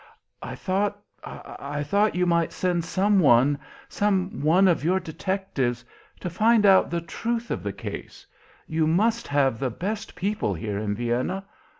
I thought I thought you might send some one some one of your detectives to find out the truth of the case. You must have the best people here in Vienna.